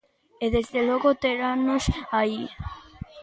E, desde logo, terannos aí.